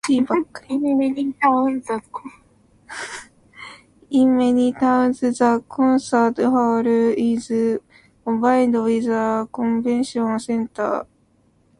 In many towns, the concert hall is combined with a convention center.